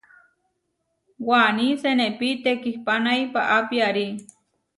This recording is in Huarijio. Waní senepí tekihpanái paá piarí.